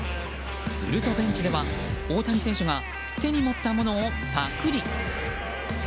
するとベンチでは大谷選手が手に持ったものをパクリ。